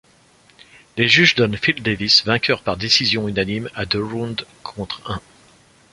Les juges donnent Phil Davis vainqueur par décision unanime à deux rounds contre un.